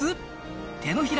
手のひら